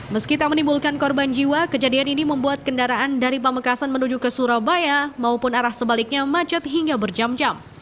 meski tak menimbulkan korban jiwa kejadian ini membuat kendaraan dari pamekasan menuju ke surabaya maupun arah sebaliknya macet hingga berjam jam